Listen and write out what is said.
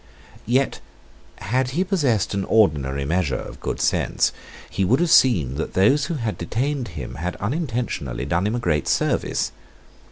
Yet, had he possessed an ordinary measure of good sense, he would have seen that those who had detained him had unintentionally done him a great service.